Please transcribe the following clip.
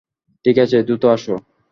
ঠিক আছে, দ্রুত আসো।